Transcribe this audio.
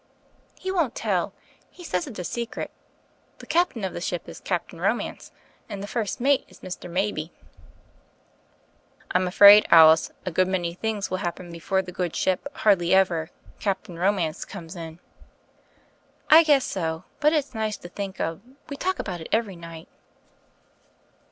"He won't tell. He says it's a secret. The Captain of the ship is Captain Romance and the first mate is Mr. Maybe." "I'm afraid. Alice, a good many things will happen before the good ship *Hardly Ever,' Cap tain Romance, comes in." "I guess so: but it's nice to think of. We talk about it every night."